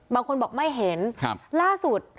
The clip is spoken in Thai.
บางคนบอกไม่เห็นล่าสุด